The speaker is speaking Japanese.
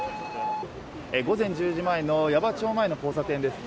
午前１０時前の矢場町前の交差点です。